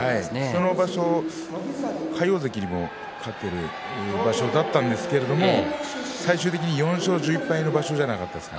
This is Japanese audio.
その場所は魁皇関にも勝ってる場所だったんですけど最終的に４勝１１敗の場所じゃなかったですか？